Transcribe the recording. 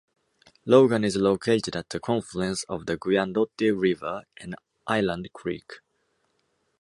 Logan is located at the confluence of the Guyandotte River and Island Creek.